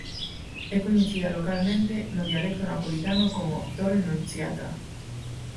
É coñecida localmente no dialecto napolitano como "Torre Nunziata".